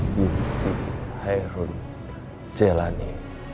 binti harun jailani